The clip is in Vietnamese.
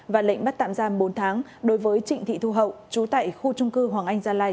và lệnh bắt tạm giam bốn tháng đối với trịnh thị thu hậu chú tại khu trung cư hoàng anh gia lai